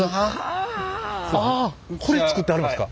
あこれ作ってはるんですか？